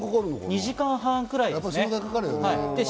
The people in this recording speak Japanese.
２時間半くらいかかります。